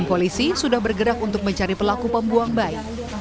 polisi sudah bergerak untuk mencari pelaku pembuang bayi